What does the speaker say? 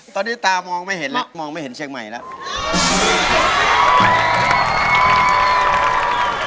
ตอนนี้ตามองไม่เห็นแล้วมองไม่เห็นเชียงใหม่แล้ว